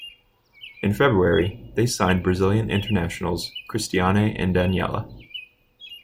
In February, they signed Brazilian internationals Cristiane and Daniela.